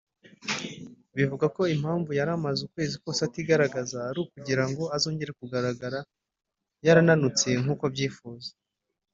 Bivugwa ko impamvu yari amaze ukwezi kwose atigaragaza ari ukugira ngo azongere kugaragara yarananutse nk’uko abyifuza